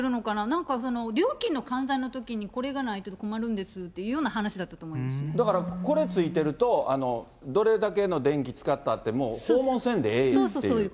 なんか、料金の換算のときにこれがないと困るんですっていうよだから、これついてると、どれだけの電気使ったってもう訪問せんでええっていう。